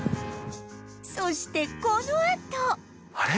そしてこのあとあれ？